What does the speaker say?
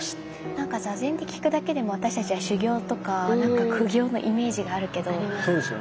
なんか坐禅って聞くだけでも私たちは修行とか苦行のイメージがあるけど。あります。